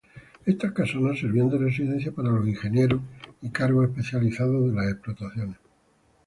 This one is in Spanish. Estas casonas servían de residencia para los ingenieros y cargos especializados de las explotaciones.